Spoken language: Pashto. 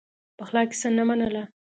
پخلا کیسه نه منله.